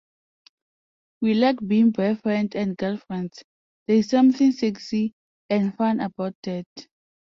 We like being boyfriend and girlfriend; there's something sexy and fun about that.